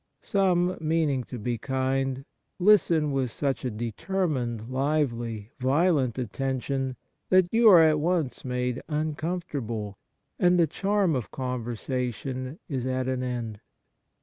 Some, meaning to be kind, listen with such a determined, lively, violent attention that you are at 8o Kindness once made uncomfortable, and the charm of conversation is at an end.